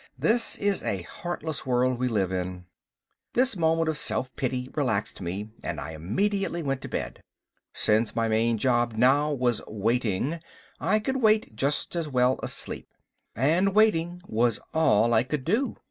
This is a heartless world we live in. This moment of self pity relaxed me and I immediately went to bed. Since my main job now was waiting, I could wait just as well asleep. And waiting was all I could do.